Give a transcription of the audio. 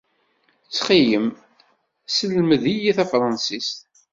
Ttxil-m, selmed-iyi tafransist.